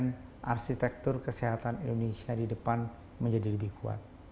dengan arsitektur kesehatan indonesia di depan menjadi lebih kuat